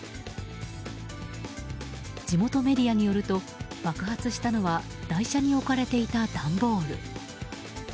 地元メディアによると爆発したのは台車に置かれていた段ボール。